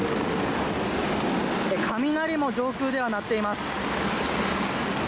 雷も上空では鳴っています。